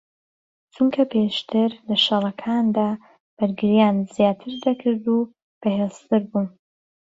چونکە پێشتر لە شەڕەکاندا بەرگریان زیاتر دەکرد و بەهێزتر بوون